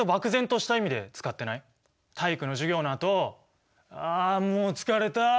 体育の授業のあと「あもう疲れた。